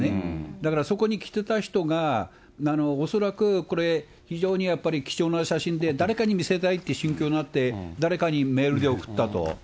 だからそこに来てた人が、恐らくこれ、非常にやっぱり貴重な写真で、誰かに見せたいっていう心境があって、誰かにメールで送ったと。